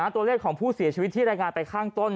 ตัวเลขของผู้เสียชีวิตที่รายงานไปข้างต้น